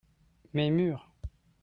mes mur.